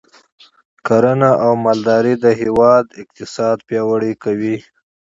کرنه او مالداري د هیواد اقتصاد پیاوړی کوي.